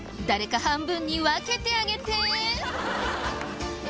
誰か半分に分けてあげて！